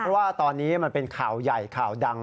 เพราะว่าตอนนี้มันเป็นข่าวใหญ่ข่าวดัง